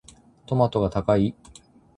トマトが高い。